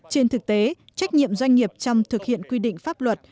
trên thực tế trách nhiệm doanh nghiệp trong thực hiện quy định pháp luật